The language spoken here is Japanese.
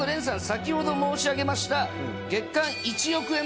先ほど申し上げました月間１億円